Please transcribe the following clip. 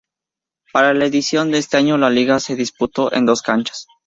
Para la edición de este año la Liga se disputó en dos canchas.